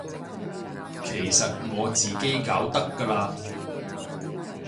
其實我自己搞得㗎喇